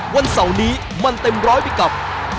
วันเสาร์นี้มันเต็มร้อยไปกับ